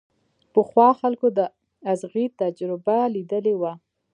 پخوا خلکو د ازغي تجربه ليدلې وه.